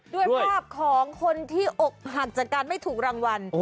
ด้วยภาพของคนที่อกหักจากการไม่ถูกรางวัล